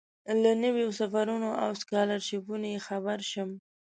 له نویو سفرونو او سکالرشیپونو یې خبر شم.